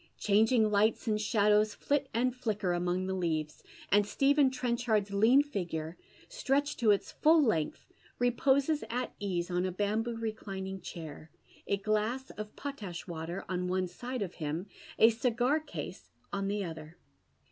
Changing lights and shadows Hit and Uicker among the leaves, and Stephen Trencliard's lean figure, stretched to its full length, reposes at ease on a bamboo roclining chair, a glass of potash water on one side of him, a cigar case on tlie other.